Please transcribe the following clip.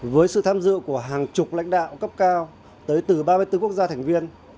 với sự tham dự của hàng chục lãnh đạo cấp cao tới từ ba mươi bốn quốc gia thành viên